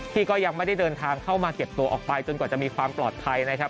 ที่ก็ยังไม่ได้เดินทางเข้ามาเก็บตัวออกไปจนกว่าจะมีความปลอดภัยนะครับ